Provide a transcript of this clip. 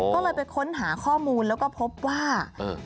ก็เลยไปค้นหาข้อมูลแล้วก็พบว่า